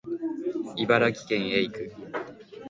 茨城県へ行く